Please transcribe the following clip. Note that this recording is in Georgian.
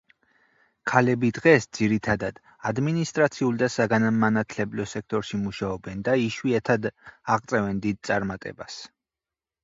ქალები დღეს ძირითადად ადმინისტრაციულ და საგანმანათლებლო სექტორში მუშაობენ და იშვიათად აღწევენ დიდ წარმატებას.